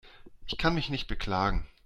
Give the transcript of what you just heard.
Ich kann mich nicht beklagen.